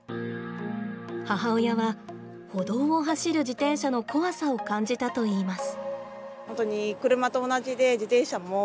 母親は歩道を走る自転車の怖さを感じたといいます。